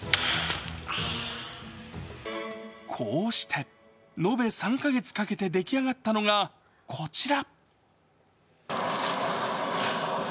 こうして延べ３か月かけて出来上がったのがこちら。